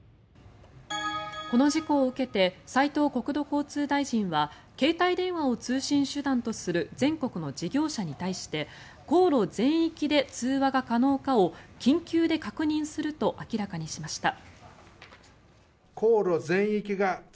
この事故を受けて斉藤国土交通大臣は携帯電話を通信手段とする全国の事業者に対して航路全域で通話が可能かを緊急で確認すると明らかにしました。